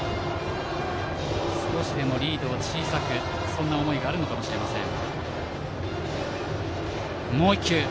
少しでもリードを小さくそんな思いがあるのかもしれません。